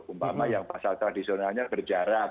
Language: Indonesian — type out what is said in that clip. umpama yang pasar tradisionalnya berjarak